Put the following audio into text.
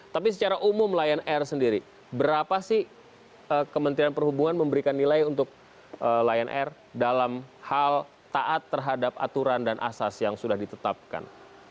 tapi secara umum lion air sendiri berapa sih kementerian perhubungan memberikan nilai untuk lion air dalam hal taat terhadap aturan dan asas yang sudah ditetapkan